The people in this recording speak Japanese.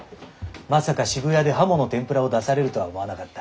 まさか渋谷で鱧の天ぷらを出されるとは思わなかった。